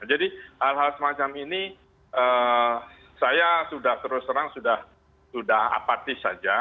jadi hal hal semacam ini saya sudah terus terang apatis saja